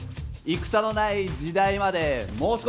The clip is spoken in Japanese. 戦のない時代までもう少し！